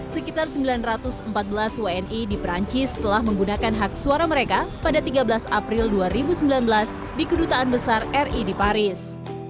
sekitar sembilan ratus empat belas wni di perancis telah menggunakan hak suara mereka pada tiga belas april dua ribu sembilan belas di kedutaan besar ri di paris